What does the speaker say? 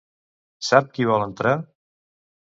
Sap qui vol entrar?